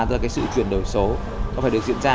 tức là cái sự chuyển đổi số nó phải được diễn ra